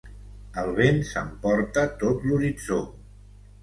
El vent s’emporta tot l’horitzó.